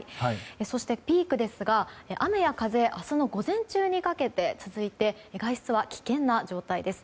そしてピークですが、雨や風明日の午前中にかけて続いて外出は危険な状態です。